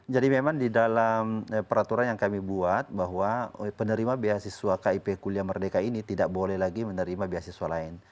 memang di dalam peraturan yang kami buat bahwa penerima beasiswa kip kuliah merdeka ini tidak boleh lagi menerima beasiswa lain